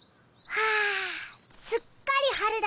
はぁすっかり春だ。